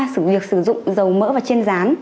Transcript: sự việc sử dụng dầu mỡ và chiên rán